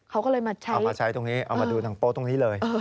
เขาก็เลยมาใช้เอามาดูหนังโปสต์ตรงนี้เลย